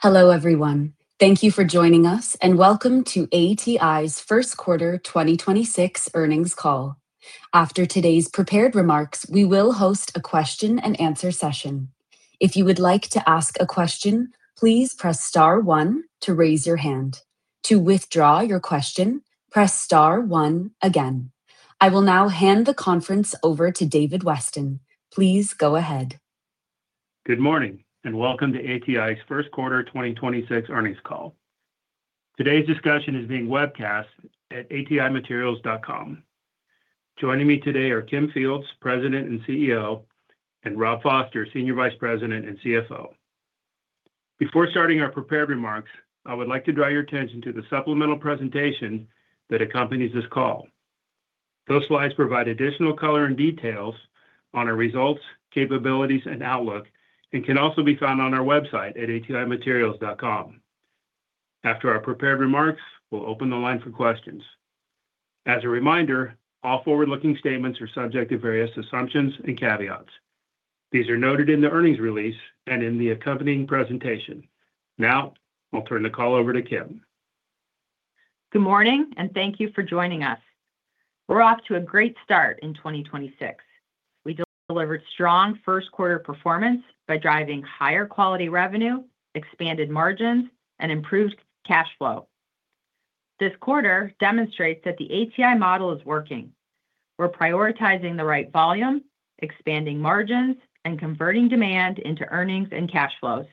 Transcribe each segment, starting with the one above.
Hello, everyone. Thank you for joining us, and welcome to ATI's first quarter 2026 earnings call. After today's prepared remarks, we will host a question-and-answer session. If you would like to ask a question, please press star one to raise your hand. To withdraw your question, press star one again. I will now hand the conference over to David Weston. Please go ahead. Good morning, and welcome to ATI's first quarter 2026 earnings call. Today's discussion is being webcast at atimaterials.com. Joining me today are Kim Fields, President and CEO, and Rob Foster, Senior Vice President and CFO. Before starting our prepared remarks, I would like to draw your attention to the supplemental presentation that accompanies this call. Those slides provide additional color and details on our results, capabilities, and outlook, and can also be found on our website at atimaterials.com. After our prepared remarks, we'll open the line for questions. As a reminder, all forward-looking statements are subject to various assumptions and caveats. These are noted in the earnings release and in the accompanying presentation. Now, I'll turn the call over to Kim. Good morning. Thank you for joining us. We're off to a great start in 2026. We delivered strong first quarter performance by driving higher quality revenue, expanded margins, and improved cash flow. This quarter demonstrates that the ATI model is working. We're prioritizing the right volume, expanding margins, and converting demand into earnings and cash flows.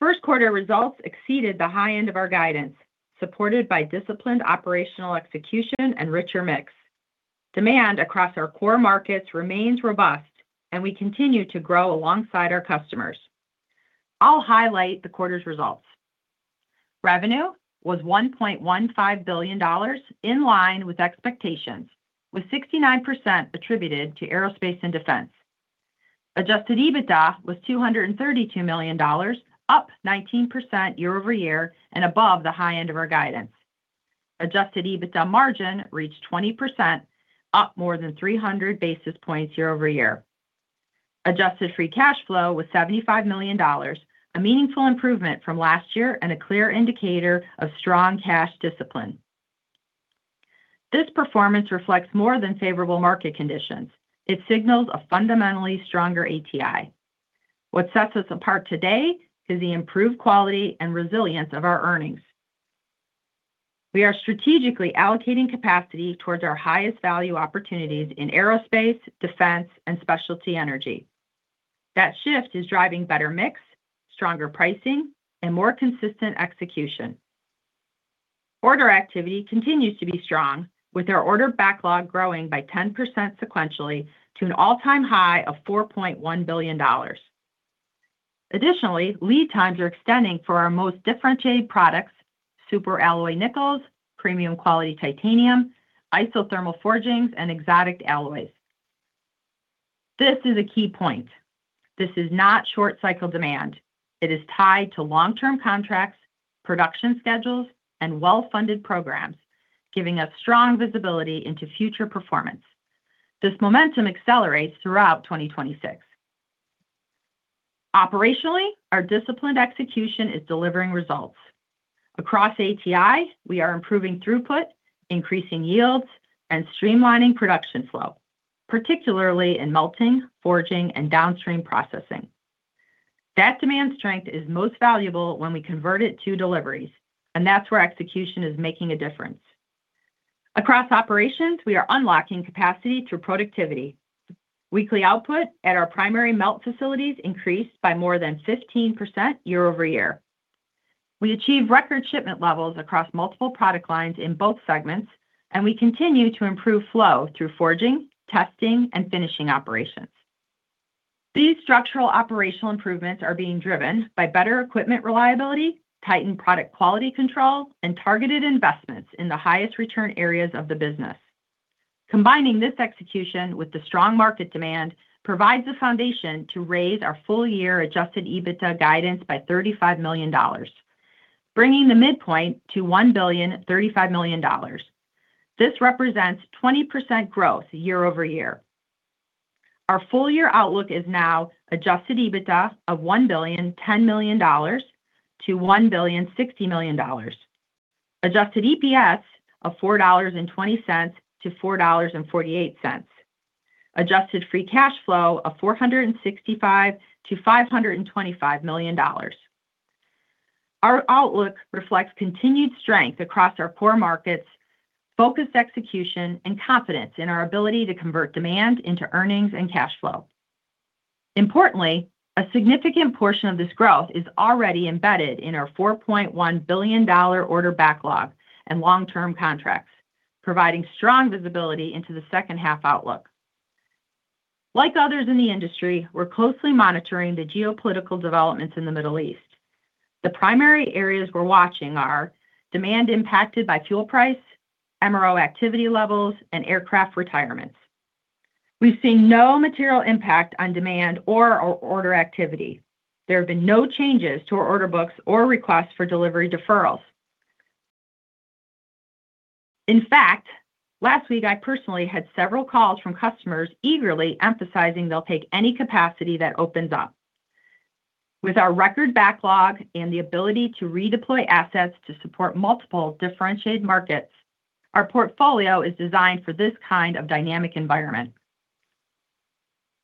First quarter results exceeded the high end of our guidance, supported by disciplined operational execution and richer mix. Demand across our core markets remains robust. We continue to grow alongside our customers. I'll highlight the quarter's results. Revenue was $1.15 billion, in line with expectations, with 69% attributed to aerospace and defense. Adjusted EBITDA was $232 million, up 19% year-over-year and above the high end of our guidance. Adjusted EBITDA margin reached 20%, up more than 300 basis points year-over-year. Adjusted free cash flow was $75 million, a meaningful improvement from last year and a clear indicator of strong cash discipline. This performance reflects more than favorable market conditions. It signals a fundamentally stronger ATI. What sets us apart today is the improved quality and resilience of our earnings. We are strategically allocating capacity towards our highest value opportunities in aerospace, defense, and specialty energy. That shift is driving better mix, stronger pricing, and more consistent execution. Order activity continues to be strong, with our order backlog growing by 10% sequentially to an all-time high of $4.1 billion. Additionally, lead times are extending for our most differentiated products, super alloy nickels, premium quality titanium, isothermal forgings, and exotic alloys. This is a key point. This is not short-cycle demand. It is tied to long-term contracts, production schedules, and well-funded programs, giving us strong visibility into future performance. This momentum accelerates throughout 2026. Operationally, our disciplined execution is delivering results. Across ATI, we are improving throughput, increasing yields, and streamlining production flow, particularly in melting, forging, and downstream processing. That demand strength is most valuable when we convert it to deliveries, and that's where execution is making a difference. Across operations, we are unlocking capacity through productivity. Weekly output at our primary melt facilities increased by more than 15% year-over-year. We achieved record shipment levels across multiple product lines in both segments, and we continue to improve flow through forging, testing, and finishing operations. These structural operational improvements are being driven by better equipment reliability, tightened product quality control, and targeted investments in the highest return areas of the business. Combining this execution with the strong market demand provides the foundation to raise our full year adjusted EBITDA guidance by $35 million, bringing the midpoint to $1.035 billion. This represents 20% growth year-over-year. Our full year outlook is now adjusted EBITDA of $1.01 billion-$1.06billion. Adjusted EPS of $4.20-$4.48. Adjusted free cash flow of $465 million-$525 million. Our outlook reflects continued strength across our core markets, focused execution, and confidence in our ability to convert demand into earnings and cash flow. Importantly, a significant portion of this growth is already embedded in our $4.1 billion order backlog and long-term contracts, providing strong visibility into the second half outlook. Like others in the industry, we're closely monitoring the geopolitical developments in the Middle East. The primary areas we're watching are demand impacted by fuel price, MRO activity levels, and aircraft retirements. We've seen no material impact on demand or our order activity. There have been no changes to our order books or requests for delivery deferrals. In fact, last week I personally had several calls from customers eagerly emphasizing they'll take any capacity that opens up. With our record backlog and the ability to redeploy assets to support multiple differentiated markets, our portfolio is designed for this kind of dynamic environment.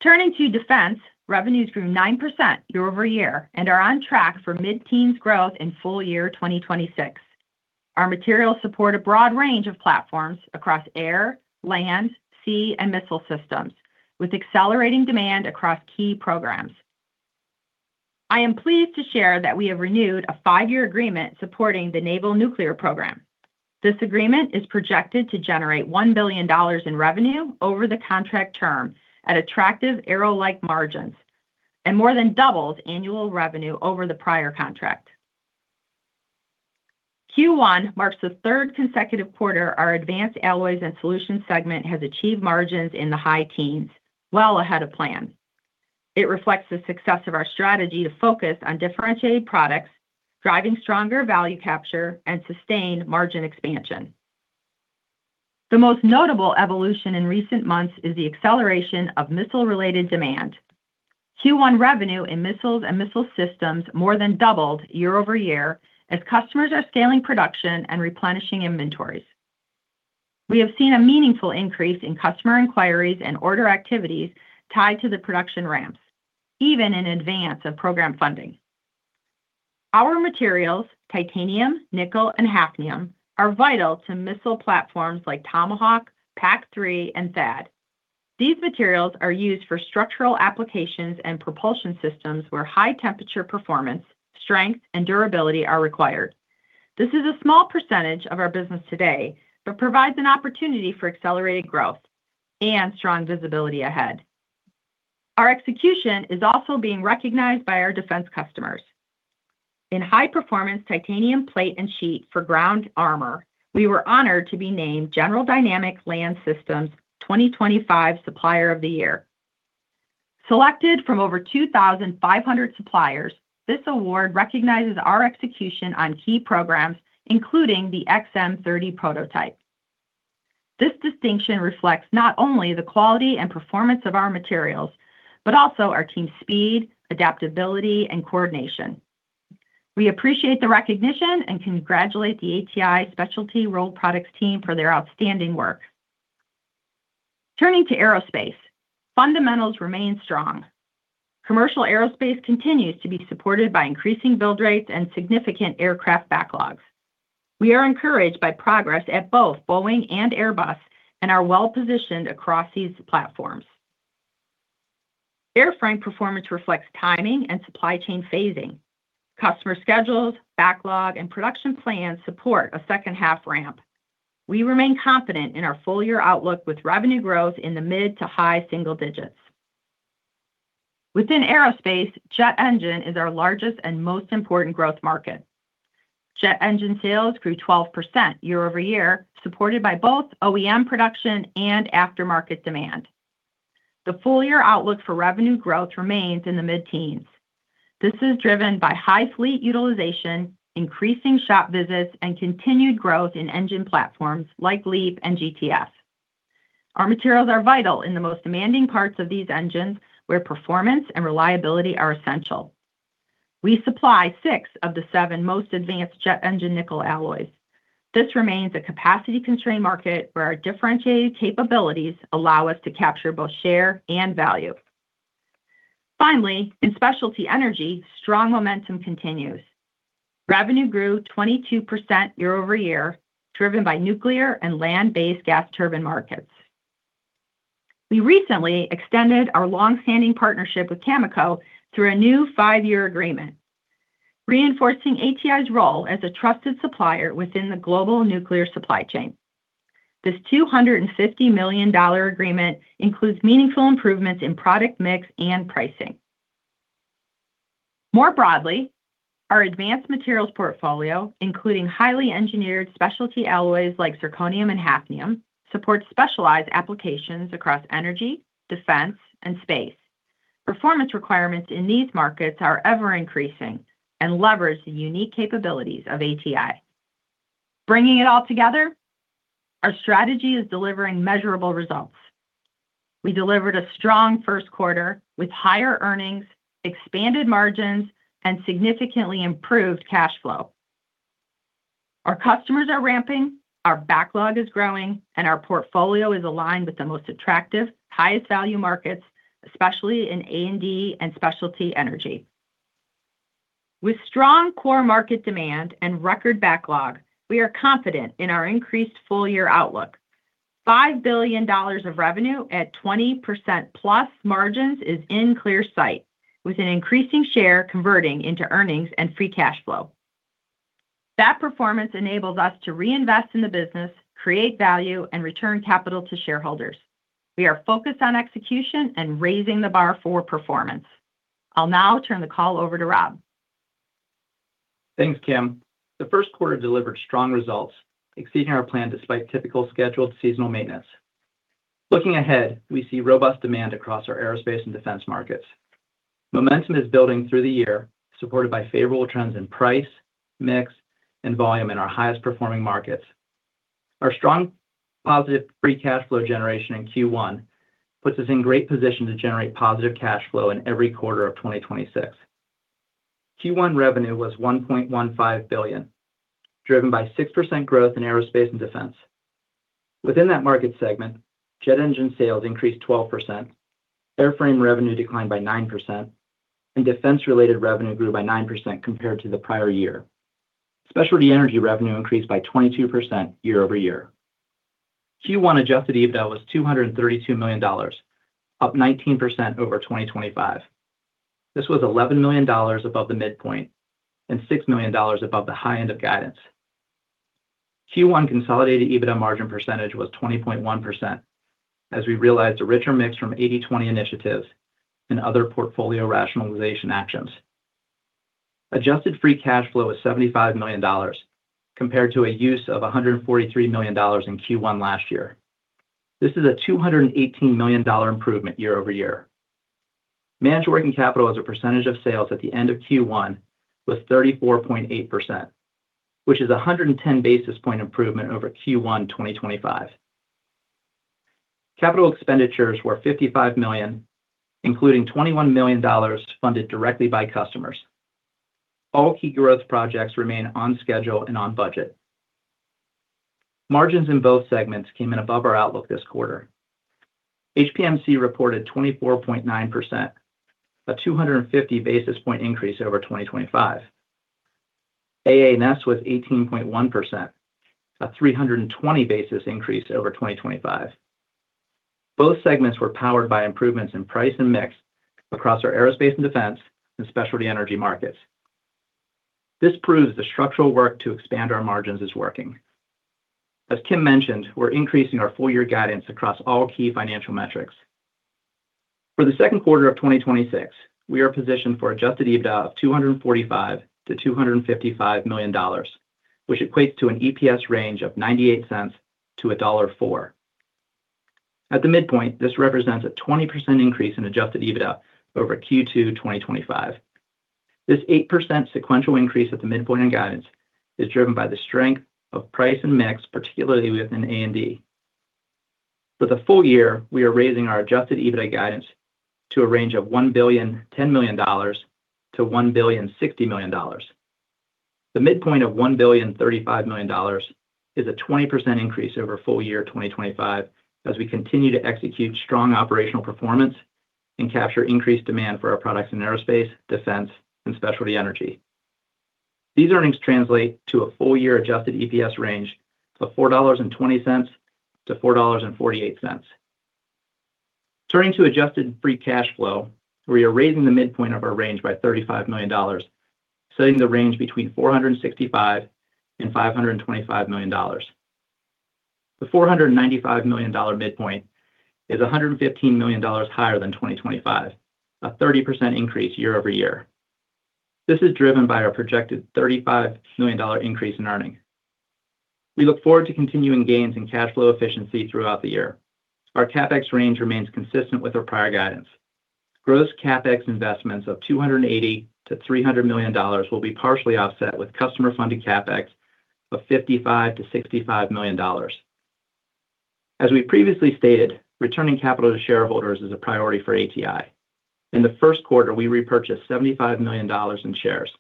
Turning to defense, revenues grew 9% year-over-year and are on track for mid-teens growth in full year 2026. Our materials support a broad range of platforms across air, land, sea, and missile systems, with accelerating demand across key programs. I am pleased to share that we have renewed a five-year agreement supporting the Naval Nuclear Propulsion Program. This agreement is projected to generate $1 billion in revenue over the contract term at attractive aero-like margins, and more than doubles annual revenue over the prior contract. Q1 marks the third consecutive quarter our Advanced Alloys & Solutions segment has achieved margins in the high teens well ahead of plan. It reflects the success of our strategy to focus on differentiated products, driving stronger value capture and sustained margin expansion. The most notable evolution in recent months is the acceleration of missile-related demand. Q1 revenue in missiles and missile systems more than doubled year-over-year as customers are scaling production and replenishing inventories. We have seen a meaningful increase in customer inquiries and order activities tied to the production ramps, even in advance of program funding. Our materials, titanium, nickel, and hafnium, are vital to missile platforms like Tomahawk, PAC-3, and THAAD. These materials are used for structural applications and propulsion systems where high temperature performance, strength, and durability are required. This is a small percentage of our business today, provides an opportunity for accelerated growth and strong visibility ahead. Our execution is also being recognized by our defense customers. In high performance titanium plate and sheet for ground armor, we were honored to be named General Dynamics Land Systems 2025 Supplier of the Year. Selected from over 2,500 suppliers, this award recognizes our execution on key programs, including the XM30 prototype. This distinction reflects not only the quality and performance of our materials, but also our team speed, adaptability, and coordination. We appreciate the recognition and congratulate the ATI Specialty Rolled Products team for their outstanding work. Turning to aerospace, fundamentals remain strong. Commercial aerospace continues to be supported by increasing build rates and significant aircraft backlogs. We are encouraged by progress at both Boeing and Airbus and are well-positioned across these platforms. Airframe performance reflects timing and supply chain phasing. Customer schedules, backlog, and production plans support a second half ramp. We remain confident in our full year outlook with revenue growth in the mid to high single digits. Within aerospace, jet engine is our largest and most important growth market. Jet engine sales grew 12% year-over-year, supported by both OEM production and aftermarket demand. The full year outlook for revenue growth remains in the mid-teens. This is driven by high fleet utilization, increasing shop visits, and continued growth in engine platforms like LEAP and GTF. Our materials are vital in the most demanding parts of these engines, where performance and reliability are essential. We supply six of the seven most advanced jet engine nickel alloys. This remains a capacity-constrained market where our differentiated capabilities allow us to capture both share and value. Finally, in specialty energy, strong momentum continues. Revenue grew 22% year-over-year, driven by nuclear and land-based gas turbine markets. We recently extended our long-standing partnership with Cameco through a new five-year agreement, reinforcing ATI's role as a trusted supplier within the global nuclear supply chain. This $250 million agreement includes meaningful improvements in product mix and pricing. More broadly, our advanced materials portfolio, including highly engineered specialty alloys like zirconium and hafnium, supports specialized applications across energy, defense, and space. Performance requirements in these markets are ever-increasing and levers the unique capabilities of ATI. Bringing it all together, our strategy is delivering measurable results. We delivered a strong 1st quarter with higher earnings, expanded margins, and significantly improved cash flow. Our customers are ramping, our backlog is growing, and our portfolio is aligned with the most attractive, highest value markets, especially in A&D and specialty energy. With strong core market demand and record backlog, we are confident in our increased full year outlook. $5 billion of revenue at 20% plus margins is in clear sight, with an increasing share converting into earnings and free cash flow. That performance enables us to reinvest in the business, create value, and return capital to shareholders. We are focused on execution and raising the bar for performance. I'll now turn the call over to Rob. Thanks, Kim. The first quarter delivered strong results, exceeding our plan despite typical scheduled seasonal maintenance. Looking ahead, we see robust demand across our aerospace and defense markets. Momentum is building through the year, supported by favorable trends in price, mix, and volume in our highest performing markets. Our strong positive free cash flow generation in Q1 puts us in great position to generate positive cash flow in every quarter of 2026. Q1 revenue was $1.15 billion, driven by 6% growth in aerospace and defense. Within that market segment, jet engine sales increased 12%, airframe revenue declined by 9%, and defense-related revenue grew by 9% compared to the prior year. Specialty energy revenue increased by 22% year-over-year. Q1 adjusted EBITDA was $232 million, up 19% over 2025. This was $11 million above the midpoint and $6 million above the high end of guidance. Q1 consolidated EBITDA margin percentage was 20.1%, as we realized a richer mix from 80/20 initiatives and other portfolio rationalization actions. Adjusted free cash flow was $75 million compared to a use of $143 million in Q1 last year. This is a $218 million improvement year-over-year. Managed working capital as a percentage of sales at the end of Q1 was 34.8%, which is 110 basis point improvement over Q1 2025. Capital expenditures were $55 million, including $21 million funded directly by customers. All key growth projects remain on schedule and on budget. Margins in both segments came in above our outlook this quarter. HPMC reported 24.9%, a 250 basis point increase over 2025. AA&S was 18.1%, a 320 basis increase over 2025. Both segments were powered by improvements in price and mix across our aerospace and defense and specialty energy markets. This proves the structural work to expand our margins is working. As Kim mentioned, we're increasing our full-year guidance across all key financial metrics. For the second quarter of 2026, we are positioned for adjusted EBITDA of $245 million-$255 million, which equates to an EPS range of $0.98-$1.04. At the midpoint, this represents a 20% increase in adjusted EBITDA over Q2 2025. This 8% sequential increase at the midpoint in guidance is driven by the strength of price and mix, particularly within A&D. For the full year, we are raising our adjusted EBITDA guidance to a range of $1.01 billion-$1.06 billion. The midpoint of $1.035 billion is a 20% increase over full year 2025 as we continue to execute strong operational performance and capture increased demand for our products in aerospace, defense, and specialty energy. These earnings translate to a full-year adjusted EPS range of $4.20-$4.48. Turning to adjusted free cash flow, we are raising the midpoint of our range by $35 million, setting the range between $465 million-$525 million. The $495 million midpoint is $115 million higher than 2025, a 30% increase year-over-year. This is driven by our projected $35 million increase in earnings. We look forward to continuing gains in cash flow efficiency throughout the year. Our CapEx range remains consistent with our prior guidance. Gross CapEx investments of $280 million-$300 million will be partially offset with customer-funded CapEx of $55 million-$65 million. As we previously stated, returning capital to shareholders is a priority for ATI. In the first quarter, we repurchased $75 million in shares.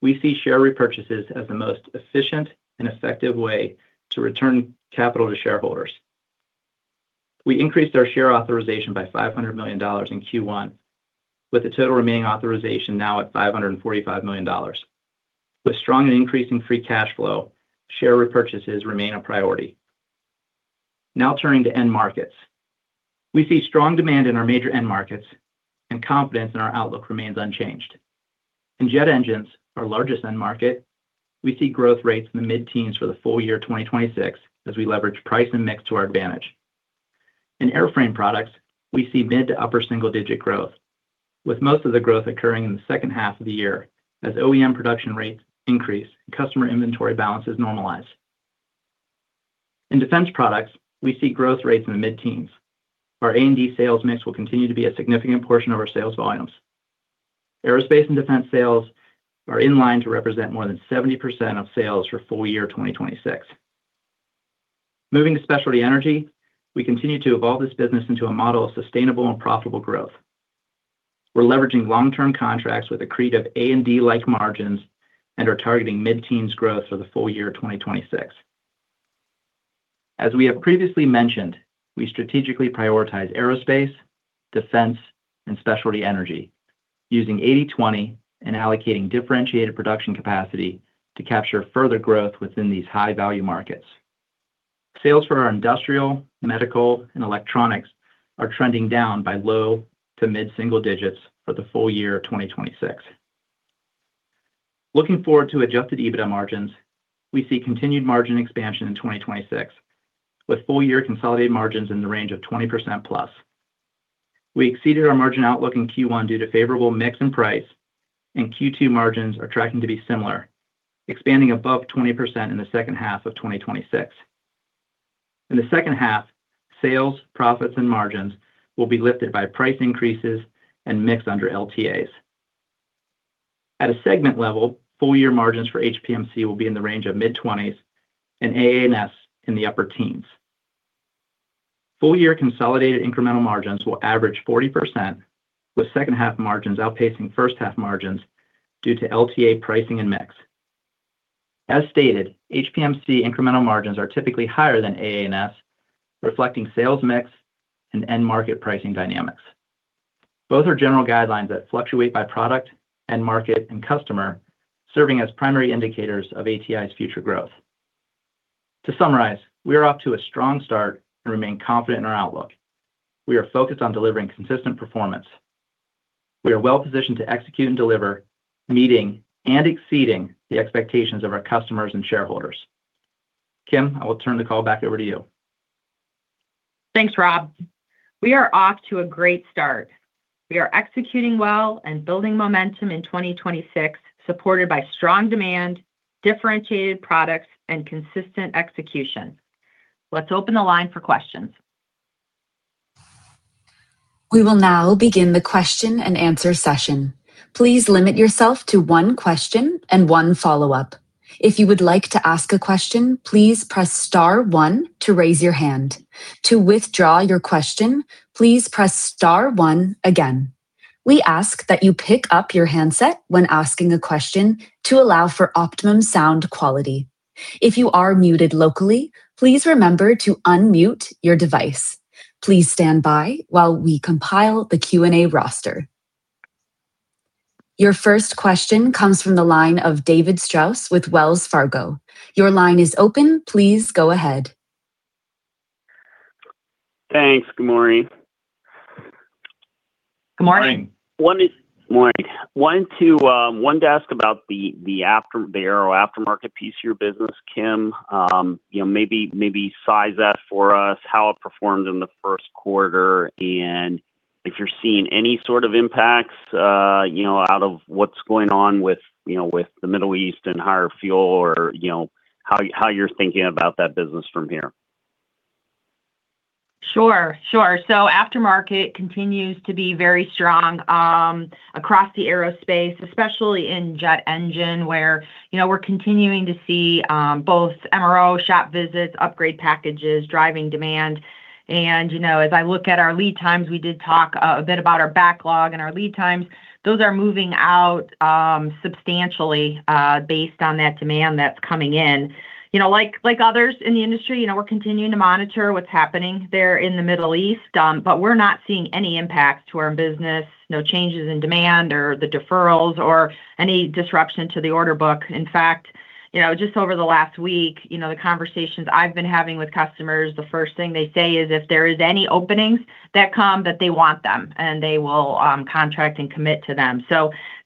We see share repurchases as the most efficient and effective way to return capital to shareholders. We increased our share authorization by $500 million in Q1, with the total remaining authorization now at $545 million. With strong and increasing free cash flow, share repurchases remain a priority. Turning to end markets. We see strong demand in our major end markets and confidence in our outlook remains unchanged. In jet engines, our largest end market, we see growth rates in the mid-teens for the full year 2026 as we leverage price and mix to our advantage. In airframe products, we see mid to upper single-digit growth, with most of the growth occurring in the second half of the year as OEM production rates increase and customer inventory balances normalize. In defense products, we see growth rates in the mid-teens. Our A&D sales mix will continue to be a significant portion of our sales volumes. Aerospace and defense sales are in line to represent more than 70% of sales for full year 2026. Moving to specialty energy, we continue to evolve this business into a model of sustainable and profitable growth. We're leveraging long-term contracts with accretive A&D-like margins and are targeting mid-teens growth for the full year 2026. As we have previously mentioned, we strategically prioritize aerospace, defense, and specialty energy, using 80/20 and allocating differentiated production capacity to capture further growth within these high-value markets. Sales for our industrial, medical, and electronics are trending down by low to mid-single digits for the full year 2026. Looking forward to adjusted EBITDA margins, we see continued margin expansion in 2026, with full-year consolidated margins in the range of 20% plus. We exceeded our margin outlook in Q1 due to favorable mix and price, and Q2 margins are tracking to be similar, expanding above 20% in the second half of 2026. In the second half, sales, profits, and margins will be lifted by price increases and mix under LTAs. At a segment level, full year margins for HPMC will be in the range of mid-20s and AA&S in the upper teens. Full year consolidated incremental margins will average 40% with second half margins outpacing first half margins due to LTA pricing and mix. As stated, HPMC incremental margins are typically higher than AA&S, reflecting sales mix and end market pricing dynamics. Both are general guidelines that fluctuate by product and market and customer, serving as primary indicators of ATI's future growth. To summarize, we are off to a strong start and remain confident in our outlook. We are focused on delivering consistent performance. We are well-positioned to execute and deliver, meeting and exceeding the expectations of our customers and shareholders. Kim, I will turn the call back over to you. Thanks, Rob. We are off to a great start. We are executing well and building momentum in 2026, supported by strong demand, differentiated products, and consistent execution. Let's open the line for questions. We will now begin the question-and-answer session. Please limit yourself to one question and one follow-up. If you would like to ask a question, please press star one to raise your hand. To withdraw your question, please press star one again. We ask that you pick up your handset when asking a question to allow for optimum sound quality. If you are muted locally, please remember to unmute your device. Please stand by while we compile the Q&A roster. Your first question comes from the line of David Strauss with Wells Fargo. Your line is open. Please go ahead. Thanks. Good morning. Good morning. Morning. Morning. Wanted to ask about the aero aftermarket piece of your business, Kim. You know, maybe size that for us, how it performed in the first quarter, and if you're seeing any sort of impacts, you know, out of what's going on with, you know, with the Middle East and higher fuel or, you know, how you're thinking about that business from here. Sure, sure. Aftermarket continues to be very strong across the aerospace, especially in jet engine where, you know, we're continuing to see MRO shop visits, upgrade packages driving demand. You know, as I look at our lead times, we did talk a bit about our backlog and our lead times. Those are moving out substantially based on that demand that's coming in. You know, like others in the industry, you know, we're continuing to monitor what's happening there in the Middle East, but we're not seeing any impact to our business, no changes in demand or the deferrals or any disruption to the order book. In fact, you know, just over the last week, you know, the conversations I've been having with customers, the first thing they say is if there is any openings that come, that they want them, and they will contract and commit to them.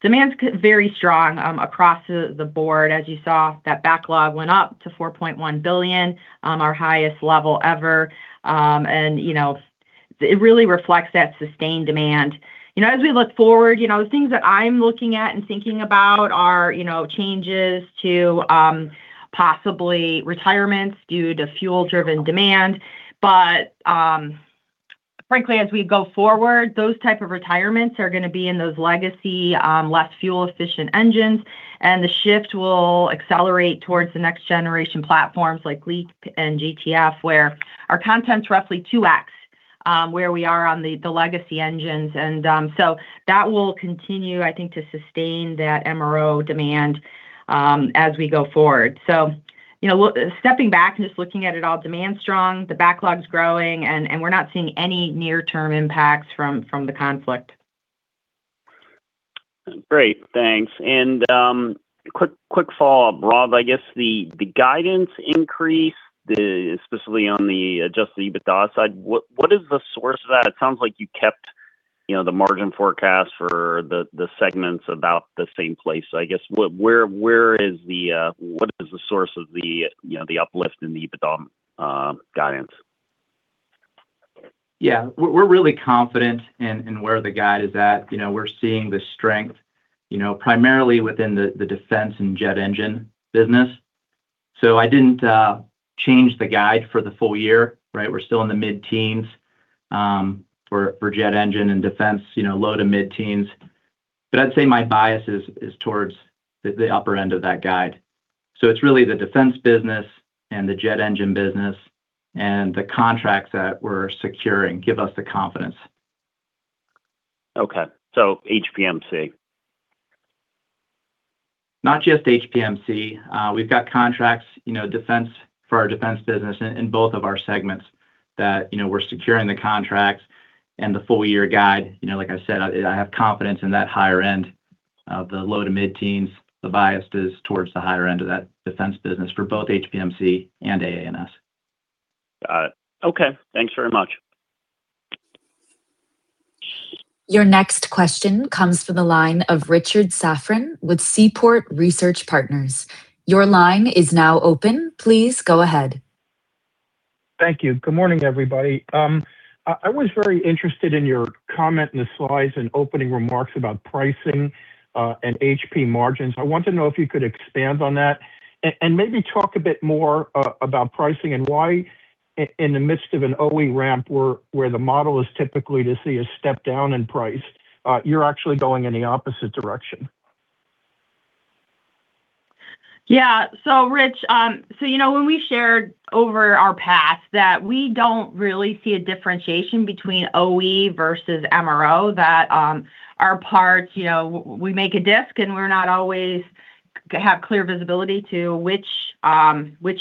Demand's very strong across the board. As you saw, that backlog went up to $4.1 billion, our highest level ever. You know, it really reflects that sustained demand. You know, as we look forward, you know, the things that I'm looking at and thinking about are, you know, changes to possibly retirements due to fuel-driven demand. Frankly, as we go forward, those type of retirements are gonna be in those legacy, less fuel-efficient engines, and the shift will accelerate towards the next generation platforms like LEAP and GTF, where our content's roughly 2x where we are on the legacy engines. So that will continue, I think, to sustain that MRO demand as we go forward. You know, Stepping back and just looking at it all, demand's strong, the backlog's growing, and we're not seeing any near-term impacts from the conflict. Great, thanks. Quick follow-up, Rob. I guess the guidance increase, especially on the adjusted EBITDA side, what is the source of that? It sounds like you kept, you know, the margin forecast for the segments about the same place. I guess what is the source of the, you know, the uplift in the EBITDA guidance? Yeah, we're really confident in where the guide is at. You know, we're seeing the strength, you know, primarily within the defense and jet engine business. I didn't change the guide for the full year, right? We're still in the mid-teens for jet engine and defense, you know, low to mid-teens. I'd say my bias is towards the upper end of that guide. It's really the defense business and the jet engine business and the contracts that we're securing give us the confidence. Okay. HPMC. Not just HPMC. We've got contracts, you know, defense, for our defense business in both of our segments that, you know, we're securing the contracts and the full-year guide. You know, like I said, I have confidence in that higher end of the low to mid-teens. The bias is towards the higher end of that defense business for both HPMC and AA&S. Got it. Okay. Thanks very much. Your next question comes from the line of Richard Safran with Seaport Research Partners. Your line is now open. Please go ahead. Thank you. Good morning, everybody. I was very interested in your comment in the slides and opening remarks about pricing and HP margins. I want to know if you could expand on that and maybe talk a bit more about pricing and why in the midst of an OE ramp where the model is typically to see a step down in price, you're actually going in the opposite direction. Yeah. Rich, you know, when we shared over our path that we don't really see a differentiation between OE versus MRO, that our parts, you know, we make a disc and we're not always have clear visibility to which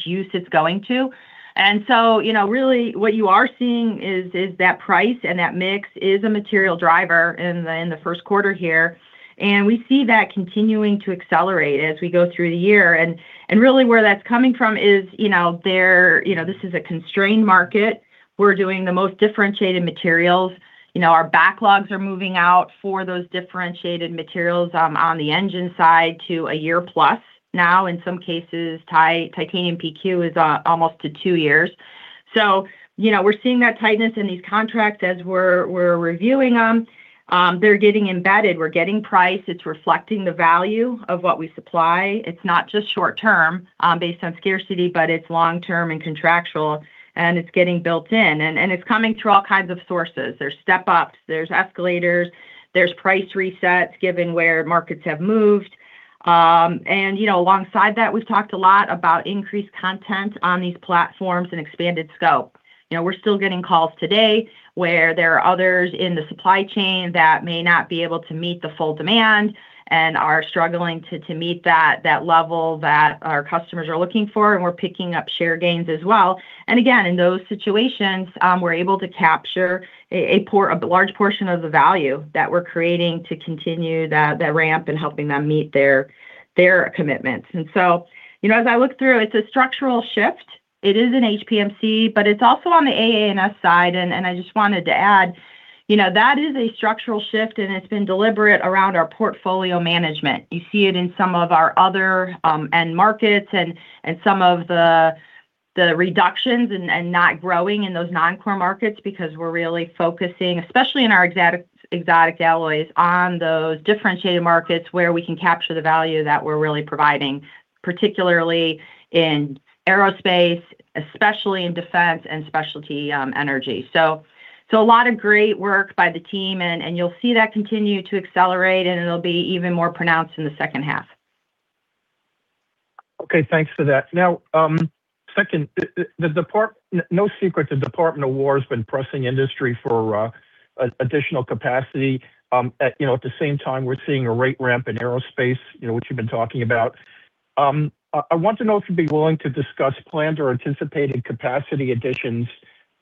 use it's going to. You know, really what you are seeing is that price and that mix is a material driver in the first quarter here, and we see that continuing to accelerate as we go through the year. Really where that's coming from is, you know, there, you know, this is a constrained market. We're doing the most differentiated materials. You know, our backlogs are moving out for those differentiated materials on the engine side to a year plus now. In some cases, titanium PQ is almost to two years. You know, we're seeing that tightness in these contracts as we're reviewing them. They're getting embedded. We're getting price. It's reflecting the value of what we supply. It's not just short-term, based on scarcity, but it's long-term and contractual, and it's getting built in and it's coming through all kinds of sources. There's step-ups, there's escalators, there's price resets given where markets have moved. You know, alongside that, we've talked a lot about increased content on these platforms and expanded scope. You know, we're still getting calls today where there are others in the supply chain that may not be able to meet the full demand and are struggling to meet that level that our customers are looking for, and we're picking up share gains as well. Again, in those situations, we're able to capture a large portion of the value that we're creating to continue the ramp and helping them meet their commitments. So, you know, as I look through, it's a structural shift. It is an HPMC, but it's also on the AA&S side. I just wanted to add, you know, that is a structural shift, and it's been deliberate around our portfolio management. You see it in some of our other end markets and some of the reductions and not growing in those non-core markets because we're really focusing, especially in our exotic alloys, on those differentiated markets where we can capture the value that we're really providing, particularly in aerospace, especially in defense and specialty energy. A lot of great work by the team and you'll see that continue to accelerate, and it'll be even more pronounced in the second half. Okay. Thanks for that. Second, no secret the Department of Defense has been pressing industry for additional capacity, at, you know, at the same time, we're seeing a rate ramp in aerospace, you know, which you've been talking about. I want to know if you'd be willing to discuss planned or anticipated capacity additions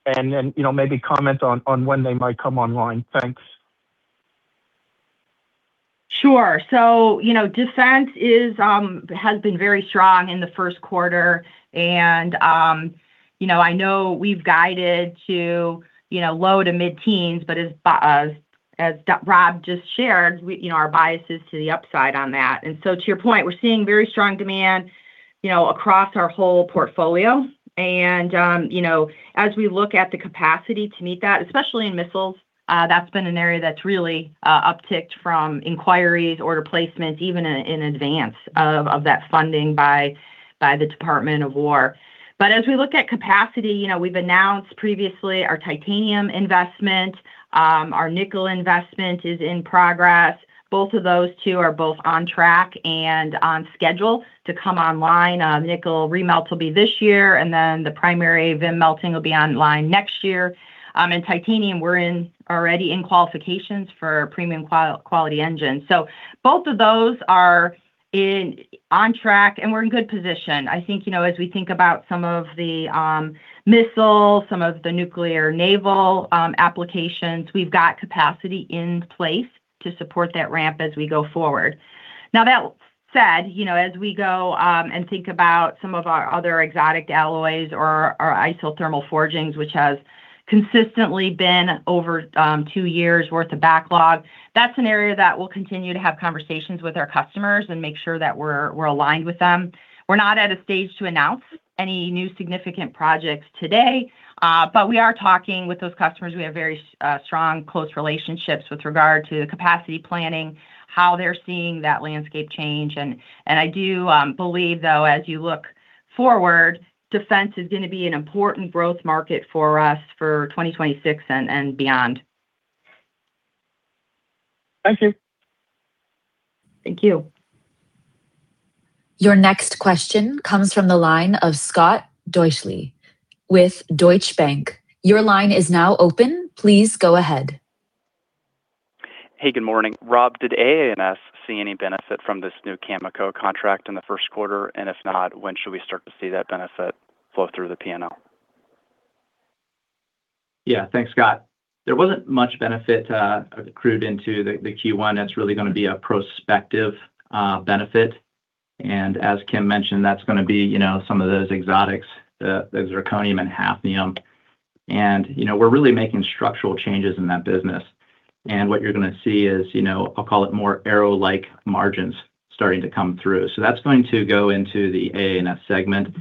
and then, you know, maybe comment on when they might come online. Thanks. Sure. You know, defense has been very strong in the first quarter, you know, I know we've guided to, you know, low to mid-teens, but as Rob just shared, we, you know, our bias is to the upside on that. To your point, we're seeing very strong demand, you know, across our whole portfolio and, you know, as we look at the capacity to meet that, especially in missiles, that's been an area that's really upticked from inquiries, order placements, even in advance of that funding by the Department of Defense. As we look at capacity, you know, we've announced previously our titanium investment, our nickel investment is in progress. Both of those two are both on track and on schedule to come online. Nickel remelts will be this year, and then the primary VIM melting will be online next year. And titanium, we're already in qualifications for premium quality engines. Both of those are on track, and we're in good position. I think, you know, as we think about some of the missile, some of the nuclear naval applications, we've got capacity in place to support that ramp as we go forward. Now that said, you know, as we go and think about some of our other exotic alloys or our isothermal forgings, which has consistently been over two years worth of backlog, that's an area that we'll continue to have conversations with our customers and make sure that we're aligned with them. We're not at a stage to announce any new significant projects today, but we are talking with those customers. We have very strong, close relationships with regard to capacity planning, how they're seeing that landscape change. I do believe though, as you look forward, defense is gonna be an important growth market for us for 2026 and beyond. Thank you. Thank you. Your next question comes from the line of Scott Deuschle with Deutsche Bank. Your line is now open. Please go ahead. Hey, good morning. Rob, did AA&S see any benefit from this new Cameco contract in the first quarter? If not, when should we start to see that benefit flow through the P&L? Yeah. Thanks, Scott. There wasn't much benefit accrued into the Q1. That's really gonna be a prospective benefit. As Kim mentioned, that's gonna be, you know, some of those exotics, the zirconium and hafnium. You know, we're really making structural changes in that business. What you're going to see is, you know, I'll call it more aero-like margins starting to come through. That's going to go into the A&D segment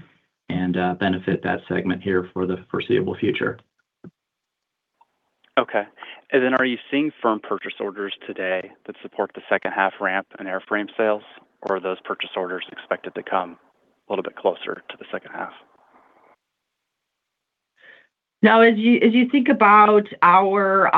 and benefit that segment here for the foreseeable future. Okay. Are you seeing firm purchase orders today that support the second half ramp in airframe sales, or are those purchase orders expected to come a little bit closer to the second half? No, as you, as you think about our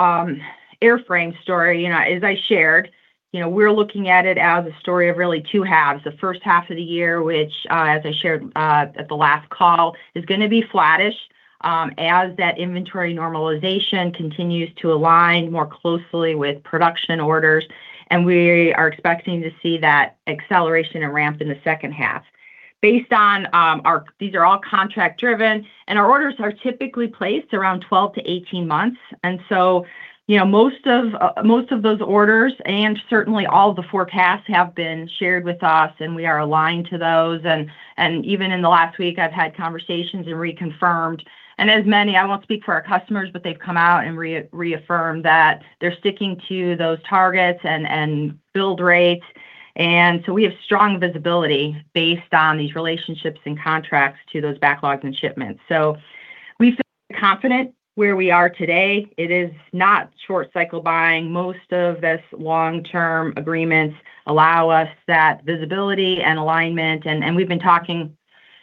airframe story, you know, as I shared, you know, we're looking at it as a story of really two halves. The first half of the year, which, as I shared, at the last call, is going to be flattish, as that inventory normalization continues to align more closely with production orders. We are expecting to see that acceleration and ramp in the second half. These are all contract-driven, and our orders are typically placed around 12 to 18 months. You know, most of those orders, and certainly all the forecasts have been shared with us, and we are aligned to those. Even in the last week, I've had conversations and reconfirmed. As many, I won't speak for our customers, but they've come out and reaffirmed that they're sticking to those targets and build rates. We have strong visibility based on these relationships and contracts to those backlogs and shipments. We feel confident where we are today. It is not short cycle buying. Most of this Long-Term Agreements allow us that visibility and alignment. We've been talking,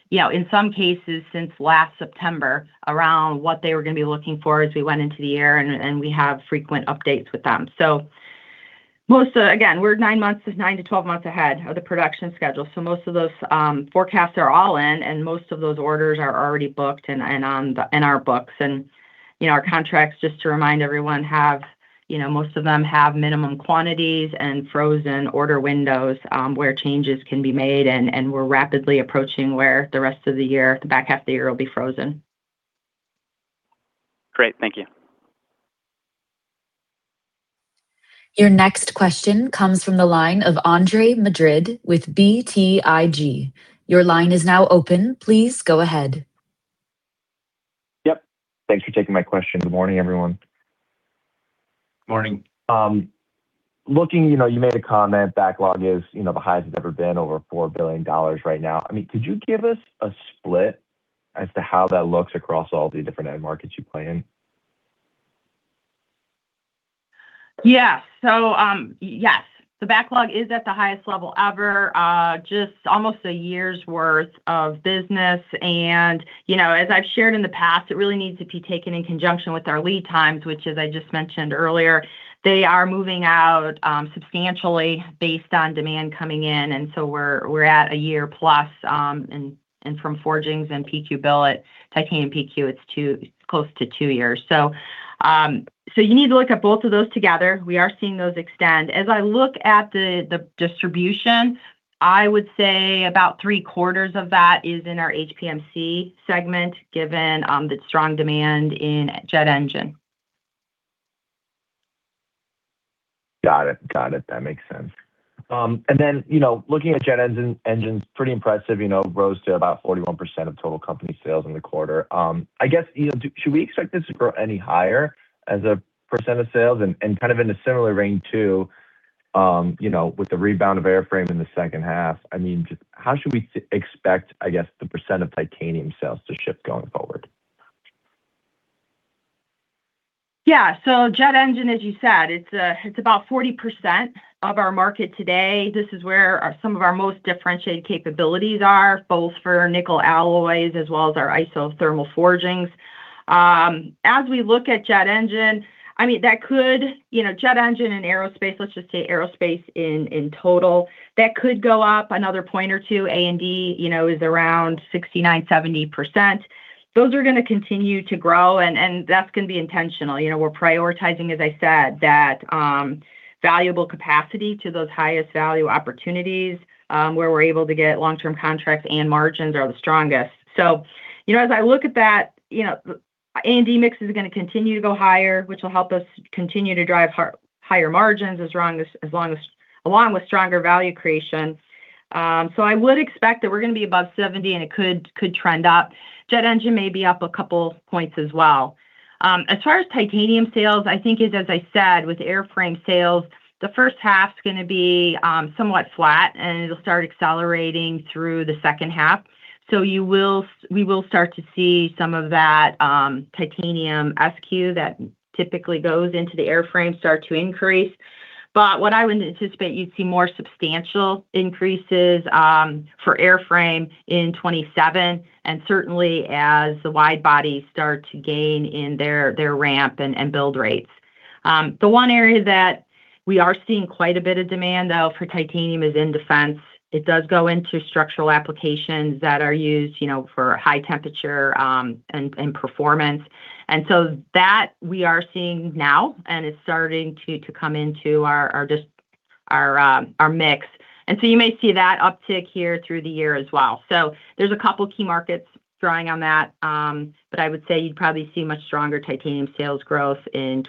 you know, in some cases since last September around what they were going to be looking for as we went into the year, and we have frequent updates with them. Again, we're nine months, nine to 12 months ahead of the production schedule. Most of those forecasts are all in, and most of those orders are already booked and in our books. You know, our contracts, just to remind everyone, have, you know, most of them have minimum quantities and frozen order windows, where changes can be made, and we're rapidly approaching where the rest of the year, the back half of the year will be frozen. Great. Thank you. Your next question comes from the line of Andre Madrid with BTIG. Your line is now open. Please go ahead. Yep. Thanks for taking my question. Good morning, everyone. Morning. Looking, you know, you made a comment, backlog is, you know, the highest it's ever been, over $4 billion right now. I mean, could you give us a split as to how that looks across all the different end markets you play in? Yes, the backlog is at the highest level ever, just almost a year's worth of business. You know, as I've shared in the past, it really needs to be taken in conjunction with our lead times, which as I just mentioned earlier, they are moving out substantially based on demand coming in. We're at a year plus, and from forgings and PQ bill at Titanium PQ, it's close to two years. You need to look at both of those together. We are seeing those extend. As I look at the distribution, I would say about three quarters of that is in our HPMC segment, given the strong demand in jet engine. Got it. Got it. That makes sense. You know, looking at jet engine's pretty impressive, you know, rose to about 41% of total company sales in the quarter. I guess, you know, should we expect this to grow any higher as a percent of sales and kind of in a similar vein, too, you know, with the rebound of airframe in the second half? I mean, just how should we expect, I guess, the percent of titanium sales to shift going forward? Yeah. Jet engine, as you said, it's about 40% of our market today. This is where some of our most differentiated capabilities are, both for nickel alloys as well as our isothermal forgings. As we look at jet engine, I mean, that could, you know, jet engine and aerospace, let's just say aerospace in total, that could go up another one or two. A&D, you know, is around 69%, 70%. Those are going to continue to grow and that's going to be intentional. You know, we're prioritizing, as I said, that valuable capacity to those highest value opportunities, where we're able to get long-term contracts and margins are the strongest. You know, as I look at that, you know, A&D mix is going to continue to go higher, which will help us continue to drive higher margins as long as along with stronger value creation. I would expect that we're going to be above 70, and it could trend up. Jet engine may be up two points as well. As far as titanium sales, I think as I said, with airframe sales, the first half's gonna be somewhat flat, and it'll start accelerating through the second half. You will we will start to see some of that titanium SQ that typically goes into the airframe start to increase. What I would anticipate, you'd see more substantial increases for airframe in 2027, and certainly as the wide body start to gain in their ramp and build rates. The one area that we are seeing quite a bit of demand, though, for titanium is in defense. It does go into structural applications that are used, you know, for high temperature and performance. That we are seeing now, and it's starting to come into our mix. You may see that uptick here through the year as well. There's a couple key markets drawing on that, but I would say you'd probably see much stronger titanium sales growth in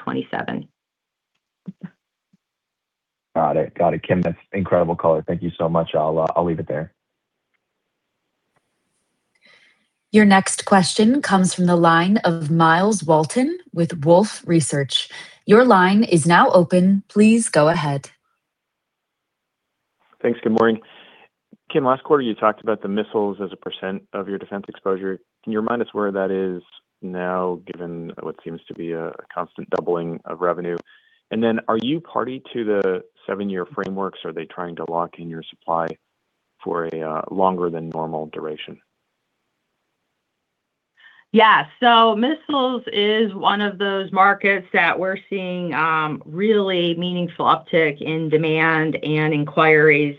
2027. Got it. Kim, that's incredible color. Thank you so much. I'll leave it there. Your next question comes from the line of Myles Walton with Wolfe Research. Your line is now open. Please go ahead. Thanks. Good morning. Kim, last quarter you talked about the missiles as a percent of your defense exposure. Can you remind us where that is now, given what seems to be a constant doubling of revenue? Are you party to the seven-year frameworks? Are they trying to lock in your supply for a longer than normal duration? So missiles is one of those markets that we're seeing, really meaningful uptick in demand and inquiries.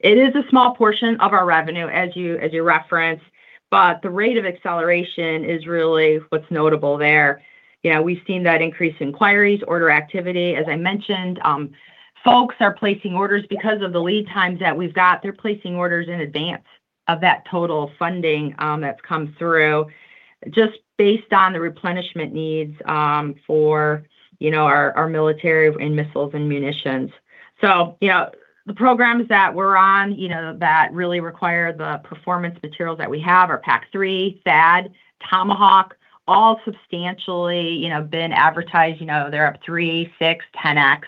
It is a small portion of our revenue as you, as you referenced, but the rate of acceleration is really what's notable there. You know, we've seen that increase in inquiries, order activity, as I mentioned. Folks are placing orders because of the lead times that we've got. They're placing orders in advance of that total funding that's come through just based on the replenishment needs for, you know, our military in missiles and munitions. You know, the programs that we're on, you know, that really require the performance materials that we have are PAC-3, THAAD, Tomahawk, all substantially, you know, been advertised. You know, they're up three, six, 10x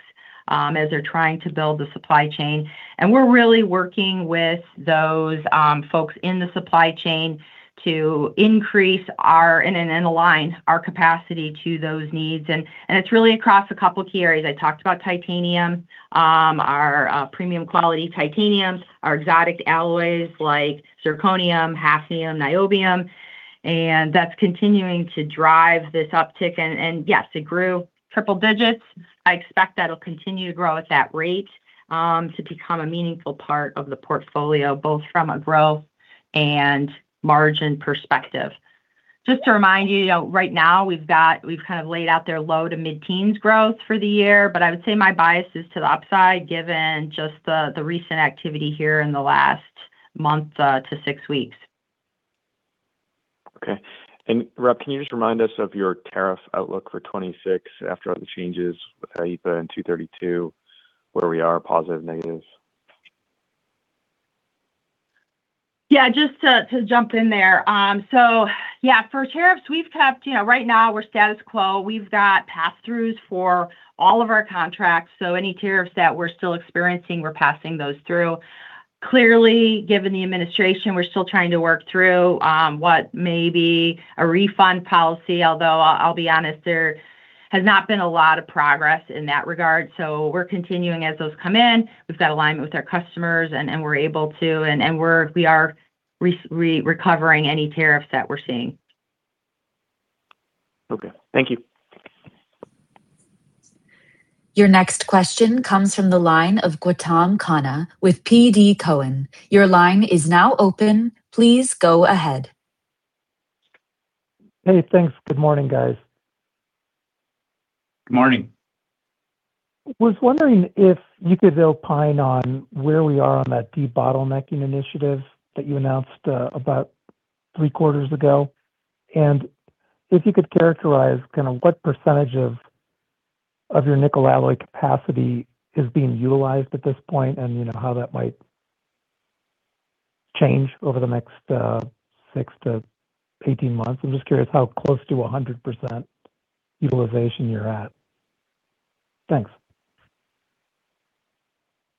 as they're trying to build the supply chain. We're really working with those folks in the supply chain to increase and align our capacity to those needs. It's really across a couple key areas. I talked about titanium, our premium quality titanium, our exotic alloys like zirconium, hafnium, niobium, and that's continuing to drive this uptick. Yes, it grew triple digits. I expect that'll continue to grow at that rate to become a meaningful part of the portfolio, both from a growth and margin perspective. Just to remind you know, right now we've kind of laid out their low to mid-teens growth for the year, but I would say my bias is to the upside given just the recent activity here in the last month to six weeks. Okay. Rob, can you just remind us of your tariff outlook for 2026 after all the changes with IEEPA and Section 232, where we are, positive, negative? Yeah, just to jump in there. Yeah, for tariffs, we've kept, you know, right now we're status quo. We've got pass-throughs for all of our contracts. Any tariffs that we're still experiencing, we're passing those through. Clearly, given the administration, we're still trying to work through what may be a refund policy. Although I'll be honest, there has not been a lot of progress in that regard. We're continuing as those come in. We've got alignment with our customers and we're recovering any tariffs that we're seeing. Okay. Thank you. Your next question comes from the line of Gautam Khanna with TD Cowen. Your line is now open. Please go ahead. Hey, thanks. Good morning, guys. Good morning. Was wondering if you could opine on where we are on that debottlenecking initiative that you announced, about three quarters ago, and if you could characterize kind of what percentage of your nickel alloy capacity is being utilized at this point, and you know, how that might change over the next six to 18 months. I'm just curious how close to 100% utilization you're at. Thanks.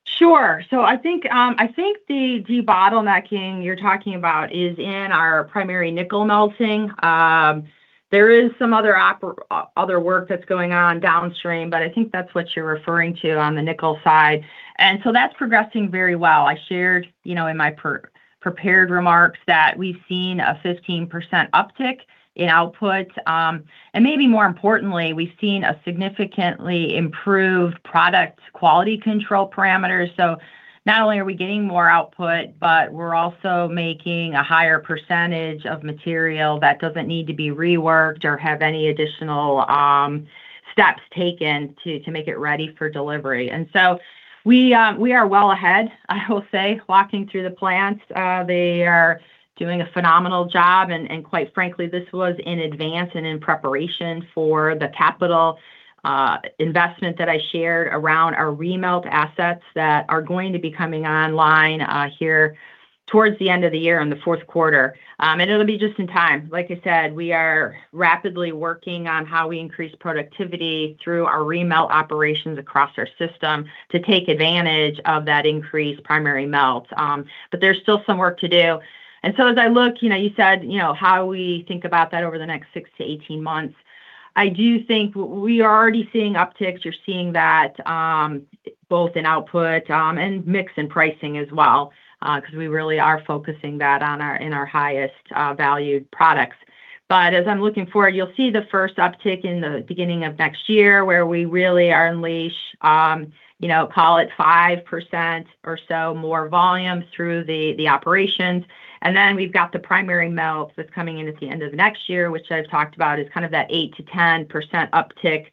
Sure. I think the debottlenecking you're talking about is in our primary nickel melting. There is some other work that's going on downstream, but I think that's what you're referring to on the nickel side. That's progressing very well. I shared, you know, in my pre-prepared remarks that we've seen a 15% uptick in output. Maybe more importantly, we've seen a significantly improved product quality control parameters. Not only are we getting more output, but we're also making a higher percentage of material that doesn't need to be reworked or have any additional steps taken to make it ready for delivery. We are well ahead, I will say, walking through the plants. They are doing a phenomenal job and quite frankly, this was in advance and in preparation for the capital investment that I shared around our remelt assets that are going to be coming online here towards the end of the year in the fourth quarter. It'll be just in time. Like I said, we are rapidly working on how we increase productivity through our remelt operations across our system to take advantage of that increased primary melt. There's still some work to do. As I look, you know, you said, you know, how we think about that over the next six to 18 months. I do think we are already seeing upticks. You're seeing that, both in output, and mix in pricing as well, cause we really are focusing that on our highest valued products. As I'm looking forward, you'll see the first uptick in the beginning of next year where we really are unleash, you know, call it 5% or so more volume through the operations. We've got the primary melt that's coming in at the end of next year, which I've talked about is kind of that 8%-10% uptick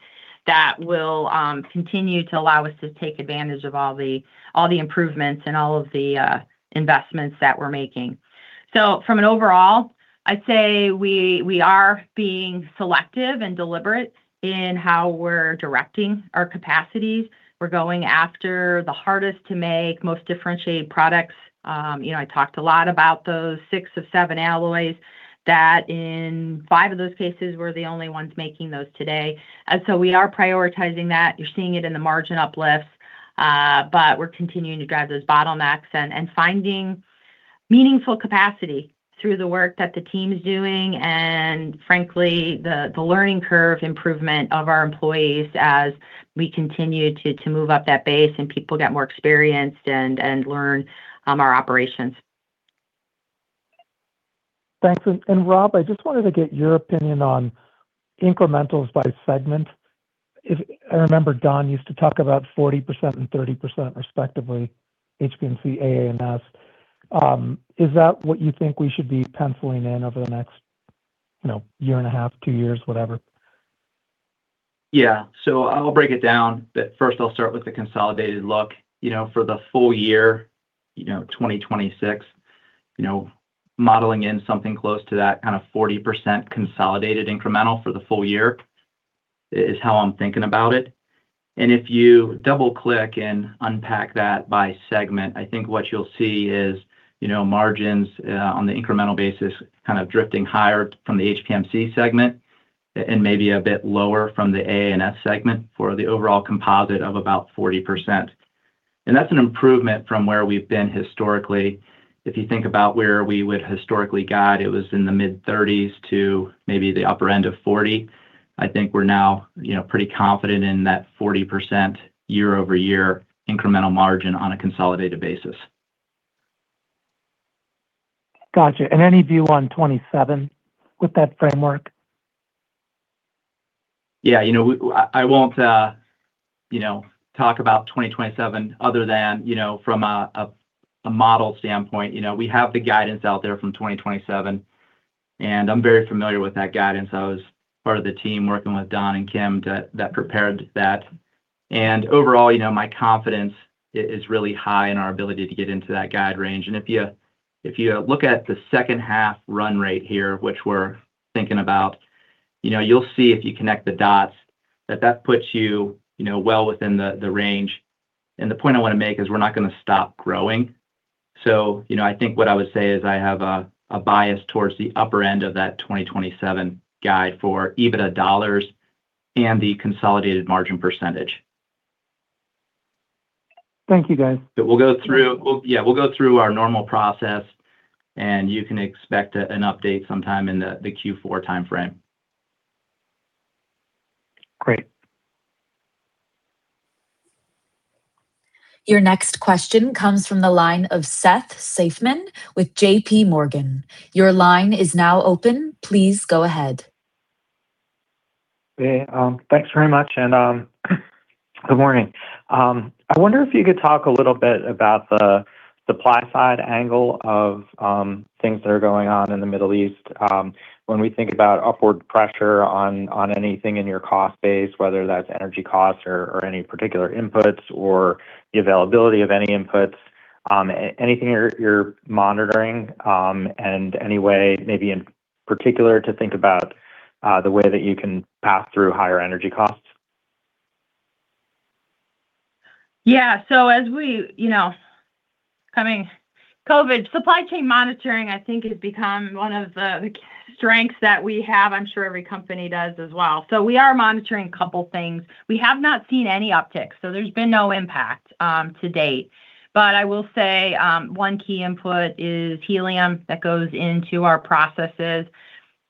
that will continue to allow us to take advantage of all the improvements and all of the investments that we're making. From an overall, I'd say we are being selective and deliberate in how we're directing our capacities. We're going after the hardest to make, most differentiated products. You know, I talked a lot about those six of seven alloys that in five of those cases, we're the only ones making those today. We are prioritizing that. You're seeing it in the margin uplifts. We're continuing to drive those bottlenecks and finding meaningful capacity through the work that the team's doing, and frankly, the learning curve improvement of our employees as we continue to move up that base and people get more experienced and learn our operations. Thanks. Rob, I just wanted to get your opinion on incrementals by segment. I remember Don used to talk about 40% and 30% respectively, HPMC, AA&S. Is that what you think we should be penciling in over the next, you know, year and a half, two years, whatever? Yeah. I'll break it down. First I'll start with the consolidated look, you know, for the full year, you know, 2026. You know, modeling in something close to that kind of 40% consolidated incremental for the full year is how I'm thinking about it. If you double-click and unpack that by segment, I think what you'll see is, you know, margins on the incremental basis kind of drifting higher from the HPMC segment and maybe a bit lower from the AA&S segment for the overall composite of about 40%. That's an improvement from where we've been historically. If you think about where we would historically guide, it was in the mid-30s to maybe the upper end of 40. I think we're now, you know, pretty confident in that 40% year-over-year incremental margin on a consolidated basis. Gotcha. Any view on 2027 with that framework? Yeah. You know, I won't, you know, talk about 2027 other than, you know, from a model standpoint. You know, we have the guidance out there from 2027, and I'm very familiar with that guidance. I was part of the team working with Don and Kim that prepared that. Overall, you know, my confidence is really high in our ability to get into that guide range. If you, if you look at the second half run rate here, which we're thinking about, you know, you'll see if you connect the dots that that puts you know, well within the range. The point I wanna make is we're not gonna stop growing. you know, I think what I would say is I have a bias towards the upper end of that 2027 guide for EBITDA dollars and the consolidated margin percentage. Thank you, guys. We'll go through our normal process, and you can expect an update sometime in the Q4 timeframe. Great. Your next question comes from the line of Seth Seifman with JPMorgan. Your line is now open. Please go ahead. Hey, thanks very much and good morning. I wonder if you could talk a little bit about the supply side angle of things that are going on in the Middle East. When we think about upward pressure on anything in your cost base, whether that's energy costs or any particular inputs or the availability of any inputs, anything you're monitoring, and any way maybe in particular to think about the way that you can pass through higher energy costs. Yeah. As we, you know, coming COVID, supply chain monitoring I think has become one of the strengths that we have. I'm sure every company does as well. We are monitoring a couple things. We have not seen any uptick, so there's been no impact to date. I will say, one key input is helium that goes into our processes.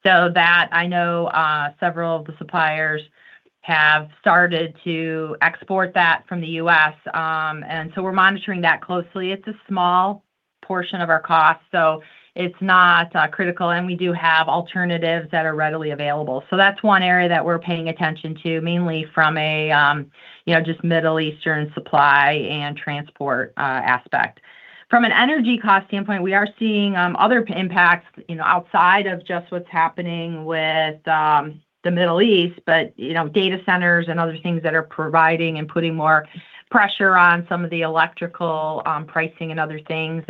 That I know, several of the suppliers have started to export that from the U.S. We're monitoring that closely. It's a small portion of our cost, so it's not critical, and we do have alternatives that are readily available. That's one area that we're paying attention to, mainly from a, you know, just Middle Eastern supply and transport aspect. From an energy cost standpoint, we are seeing, you know, other impacts, you know, outside of just what's happening with the Middle East, but, you know, data centers and other things that are providing and putting more pressure on some of the electrical pricing and other things.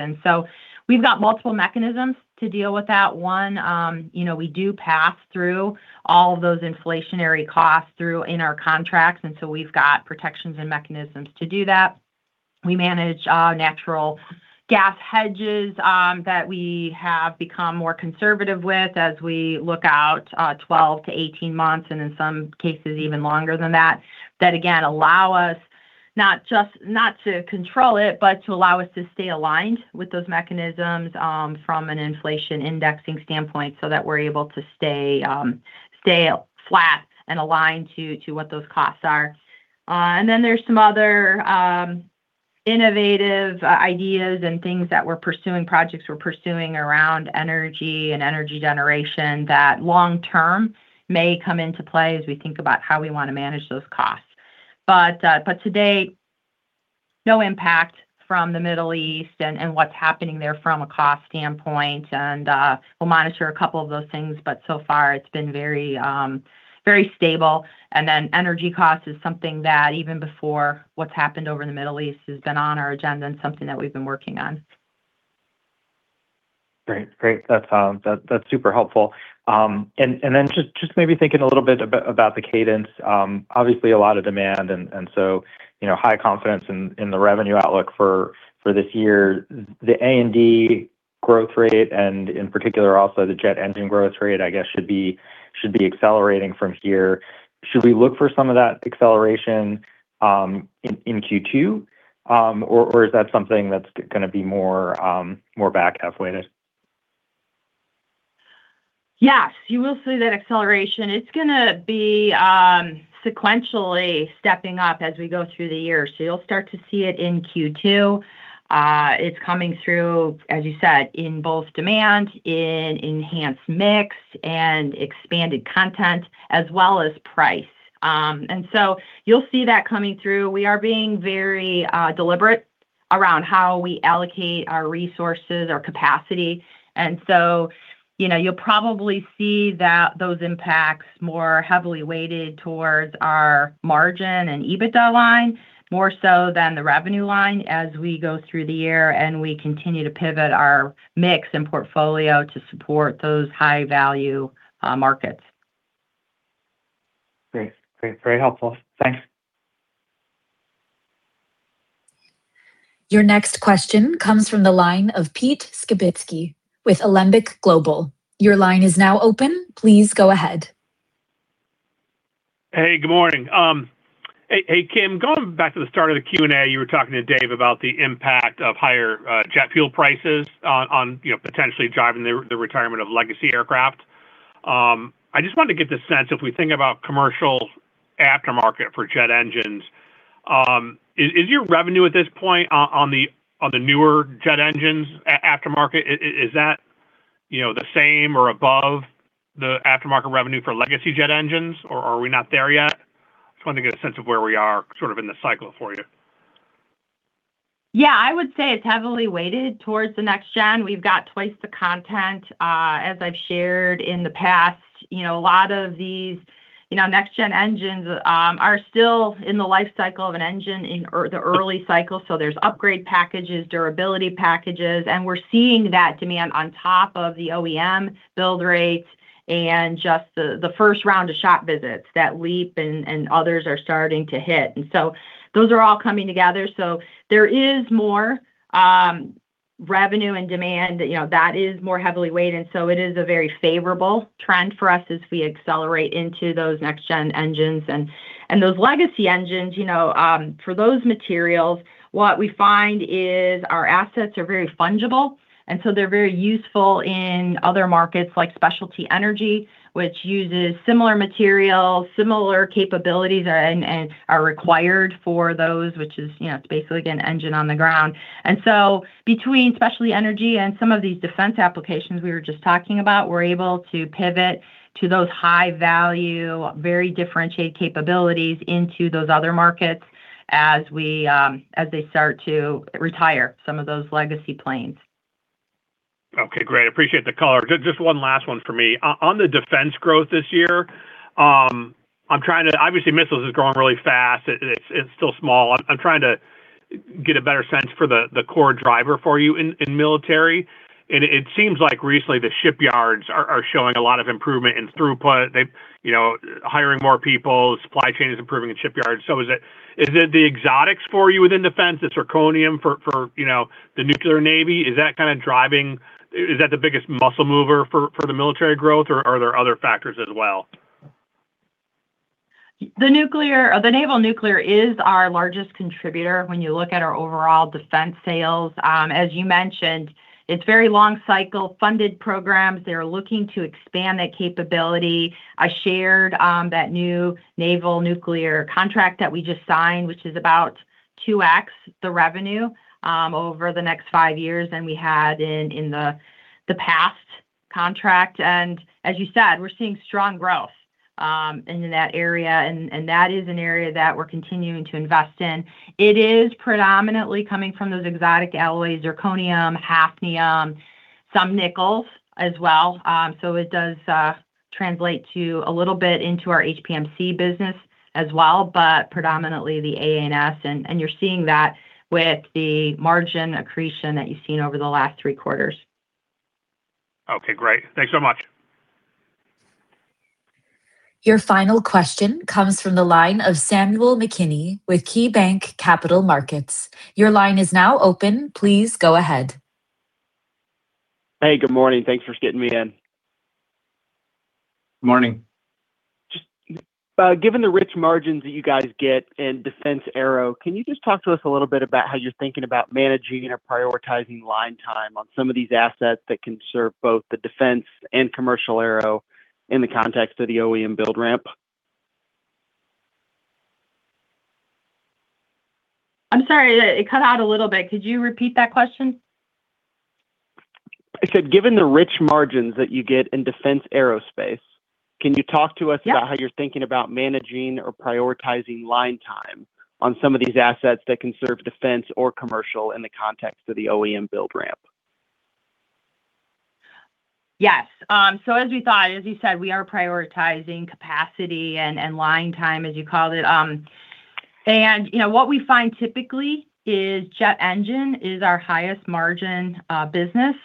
We've got multiple mechanisms to deal with that. One, you know, we do pass through all of those inflationary costs through in our contracts, we've got protections and mechanisms to do that. We manage natural gas hedges that we have become more conservative with as we look out 12 to 18 months, and in some cases, even longer than that. That again, allow us not to control it, but to allow us to stay aligned with those mechanisms from an inflation indexing standpoint so that we're able to stay flat and aligned to what those costs are. There's some other innovative ideas and things that we're pursuing, projects we're pursuing around energy and energy generation that long term may come into play as we think about how we wanna manage those costs. Today, no impact from the Middle East and what's happening there from a cost standpoint. We'll monitor a couple of those things, but so far it's been very stable. Energy cost is something that even before what's happened over in the Middle East has been on our agenda and something that we've been working on. Great. Great. That's super helpful. Then just maybe thinking a little bit about the cadence, obviously a lot of demand and so, you know, high confidence in the revenue outlook for this year. The A&D growth rate and in particular also the jet engine growth rate, I guess should be accelerating from here. Should we look for some of that acceleration in Q2? Is that something that's gonna be more back half weighted? Yes, you will see that acceleration. It's gonna be sequentially stepping up as we go through the year. You'll start to see it in Q2. It's coming through, as you said, in both demand, in enhanced mix, and expanded content, as well as price. You'll see that coming through. We are being very deliberate around how we allocate our resources, our capacity. You know, you'll probably see that those impacts more heavily weighted towards our margin and EBITDA line, more so than the revenue line as we go through the year and we continue to pivot our mix and portfolio to support those high value markets. Great. Great, very helpful. Thanks. Your next question comes from the line of Pete Skibitski with Alembic Global. Your line is now open. Please go ahead. Hey, good morning. Hey, hey, Kim, going back to the start of the Q&A, you were talking to Dave about the impact of higher jet fuel prices on, you know, potentially driving the retirement of legacy aircraft. I just wanted to get the sense, if we think about commercial aftermarket for jet engines, is your revenue at this point on the newer jet engines aftermarket, is that, you know, the same or above the aftermarket revenue for legacy jet engines, or are we not there yet? Just wanting to get a sense of where we are sort of in the cycle for you. Yeah. I would say it's heavily weighted towards the next-gen. We've got twice the content, as I've shared in the past. You know, a lot of these, you know, next-gen engines are still in the life cycle of an engine in the early cycle, so there's upgrade packages, durability packages, and we're seeing that demand on top of the OEM build rates and just the first round of shop visits that LEAP and others are starting to hit. Those are all coming together. There is more revenue and demand, you know, that is more heavily weighted, so it is a very favorable trend for us as we accelerate into those next-gen engines. Those legacy engines, you know, for those materials, what we find is our assets are very fungible, so they're very useful in other markets like specialty energy, which uses similar material, similar capabilities and are required for those, which is, you know, it's basically an engine on the ground. Between specialty energy and some of these defense applications we were just talking about, we're able to pivot to those high value, very differentiated capabilities into those other markets as we, as they start to retire some of those legacy planes. Okay, great. Appreciate the color. Just one last one for me. On the defense growth this year, I'm trying to obviously, missiles is growing really fast. It's still small. I'm trying to get a better sense for the core driver for you in military. It seems like recently the shipyards are showing a lot of improvement in throughput. They've, you know, hiring more people, supply chain is improving at shipyards. Is it, is it the exotics for you within defense, the zirconium for, you know, the nuclear Navy? Is that kind of driving, is that the biggest muscle mover for the military growth, or are there other factors as well? The Naval Nuclear is our largest contributor when you look at our overall defense sales. As you mentioned, it's very long cycle funded programs. They're looking to expand that capability. I shared that new Naval Nuclear contract that we just signed, which is about 2x the revenue over the next five years than we had in the past contract. As you said, we're seeing strong growth in that area, and that is an area that we're continuing to invest in. It is predominantly coming from those exotic alloys, zirconium, hafnium, some nickels as well. So it does translate a little bit into our HPMC business as well, but predominantly the AA&S, and you're seeing that with the margin accretion that you've seen over the last three quarters. Okay. Great. Thanks so much. Your final question comes from the line of Samuel McKinney with KeyBanc Capital Markets. Your line is now open. Please go ahead. Hey, good morning. Thanks for getting me in. Morning. Just given the rich margins that you guys get in defense aero, can you just talk to us a little bit about how you're thinking about managing or prioritizing line time on some of these assets that can serve both the defense and commercial aero in the context of the OEM build ramp? I'm sorry. It cut out a little bit. Could you repeat that question? I said, given the rich margins that you get in defense aerospace- Yeah Can you talk to us about how you're thinking about managing or prioritizing line time on some of these assets that can serve defense or commercial in the context of the OEM build ramp? Yes. As we thought, as you said, we are prioritizing capacity and line time, as you called it. You know, what we find typically is jet engine is our highest margin business,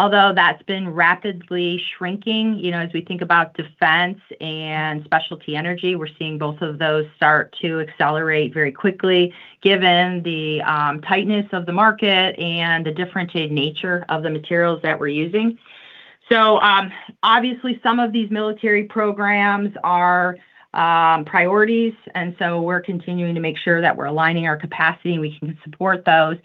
although that's been rapidly shrinking. You know, as we think about defense and specialty energy, we're seeing both of those start to accelerate very quickly given the tightness of the market and the differentiated nature of the materials that we're using. Obviously some of these military programs are priorities, and so we're continuing to make sure that we're aligning our capacity and we can support those.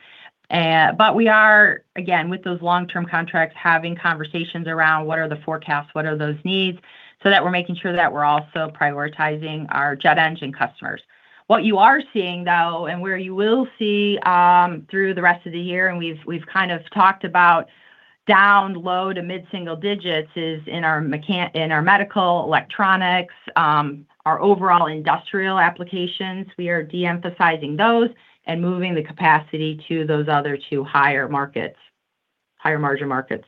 We are, again, with those long-term contracts, having conversations around what are the forecasts, what are those needs, so that we're making sure that we're also prioritizing our jet engine customers. What you are seeing though, and where you will see through the rest of the year, and we've kind of talked about down low to mid-single digits is in our medical electronics, our overall industrial applications. We are de-emphasizing those and moving the capacity to those other two higher markets, higher margin markets.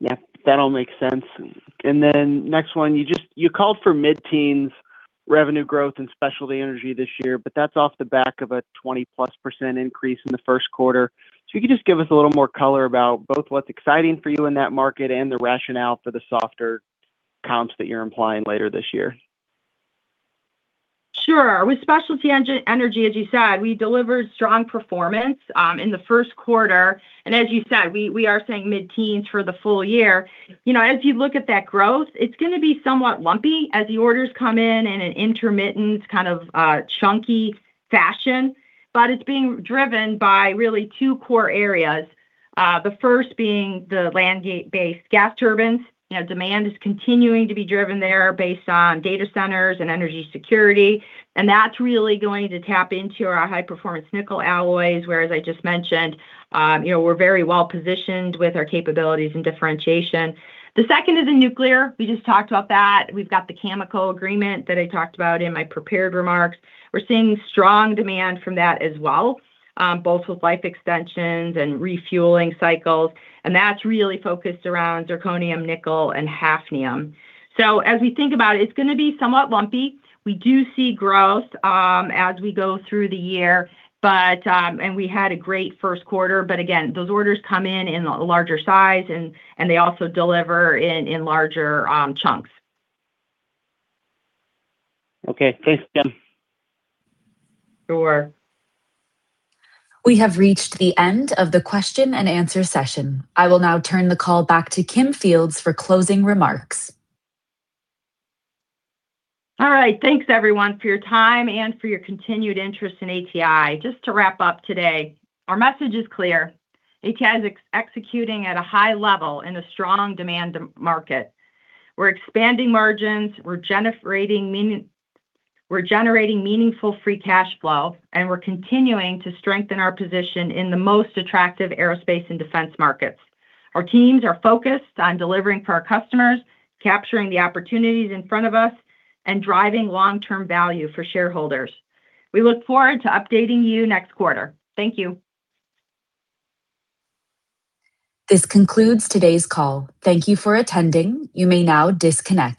Yeah, that all makes sense. Next one, you called for mid-teens revenue growth and specialty energy this year, but that's off the back of a 20-plus % increase in the first quarter. If you could just give us a little more color about both what's exciting for you in that market and the rationale for the softer comps that you're implying later this year. Sure. With specialty engine, energy, as you said, we delivered strong performance in the first quarter. As you said, we are saying mid-teens for the full year. You know, as you look at that growth, it's gonna be somewhat lumpy as the orders come in in an intermittent kind of chunky fashion, but it's being driven by really two core areas. The first being the land-based gas turbines. You know, demand is continuing to be driven there based on data centers and energy security, and that's really going to tap into our high-performance nickel alloys, where, as I just mentioned, you know, we're very well-positioned with our capabilities and differentiation. The second is in nuclear. We just talked about that. We've got the Cameco agreement that I talked about in my prepared remarks. We're seeing strong demand from that as well, both with life extensions and refueling cycles, and that's really focused around zirconium, nickel, and hafnium. As we think about it's gonna be somewhat lumpy. We do see growth as we go through the year. We had a great first quarter, but again, those orders come in in a larger size and they also deliver in larger chunks. Okay. Thanks, Kim. Sure. We have reached the end of the question-and-answer session. I will now turn the call back to Kim Fields for closing remarks. All right. Thanks everyone for your time and for your continued interest in ATI. Just to wrap up today, our message is clear. ATI is executing at a high level in a strong demand market. We're expanding margins, we're generating meaningful free cash flow, and we're continuing to strengthen our position in the most attractive Aerospace and Defense markets. Our teams are focused on delivering for our customers, capturing the opportunities in front of us, and driving long-term value for shareholders. We look forward to updating you next quarter. Thank you. This concludes today's call. Thank you for attending. You may now disconnect.